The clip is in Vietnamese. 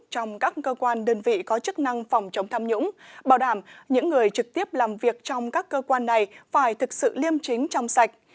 trong các cơ quan đơn vị có chức năng phòng chống tham nhũng bảo đảm những người trực tiếp làm việc trong các cơ quan này phải thực sự liêm chính trong sạch